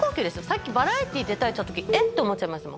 さっきバラエティ出たいって言った時えっ？って思っちゃいました